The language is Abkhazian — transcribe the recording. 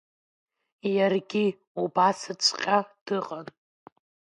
Иаргьы убасҵәҟьа дыҟан.